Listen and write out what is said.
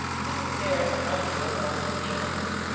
Who is there among you of all his people?